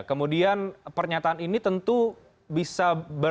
kemudian pernyataan ini tentu bisa